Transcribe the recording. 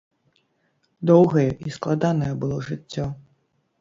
Доўгае і складанае было жыццё.